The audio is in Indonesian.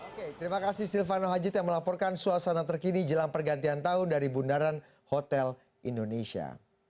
oke terima kasih silvano haji yang melaporkan suasana terkini jelang pergantian tahun dari bundaran hotel indonesia